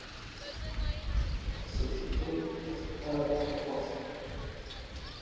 Esta solicitud fue aceptada por Huáscar.